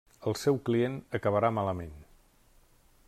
El seu client acabarà malament.